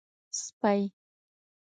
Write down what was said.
🐕 سپۍ